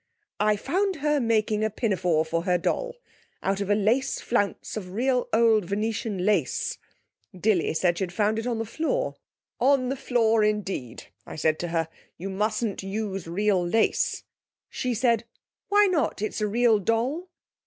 'I found her making a pinafore for her doll out of a lace flounce of real old Venetian lace. Dilly said she found it on the floor. 'On the floor, indeed,' I said to her. 'You mustn't use real lace!' She said, 'Why not? It's a real doll!'